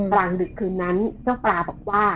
กลางดึกคืนนั้นเจ้าปลาบอกว่า